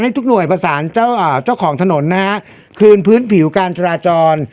ทุกหน่วยประสานเจ้าของถนนนะฮะคืนพื้นผิวการจราจร